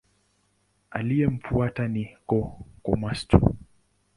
Aliyemfuata ni Go-Komatsu.